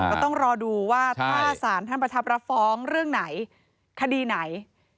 ก็ต้องรอดูว่าถ้าสารท่านประทับรับฟ้องเรื่องไหนคดีไหน